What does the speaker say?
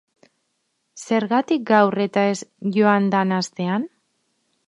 Zergatik gaur eta ez joan dan astean?